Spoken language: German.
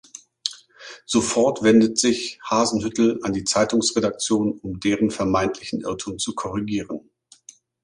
Sofort wendet sich Hasenhüttl an die Zeitungsredaktion um deren vermeintlichen Irrtum zu korrigieren.